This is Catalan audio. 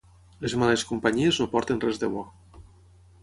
Les males companyies no porten res de bo.